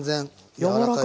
柔らかい。